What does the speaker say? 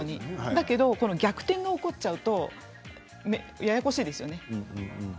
だけど逆転が起こっちゃうとややこしいですよね。